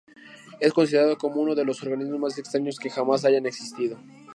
Es considerado como uno de los organismos más extraños que jamás hayan existido.